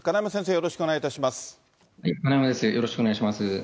よろしくお願いします。